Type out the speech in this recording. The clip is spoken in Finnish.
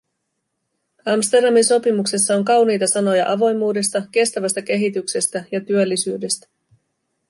Amsterdamin sopimuksessa on kauniita sanoja avoimuudesta, kestävästä kehityksestä ja työllisyydestä.